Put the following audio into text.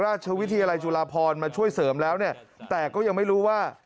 ราชวิทยาลัยจุฬาพรมาช่วยเสริมแล้วเนี่ยแต่ก็ยังไม่รู้ว่า